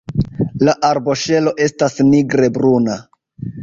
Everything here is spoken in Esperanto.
La arboŝelo estas nigre bruna.